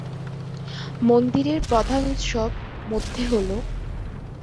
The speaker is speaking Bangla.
মন্দিরের প্রধান উৎসব মধ্যে হলোঃ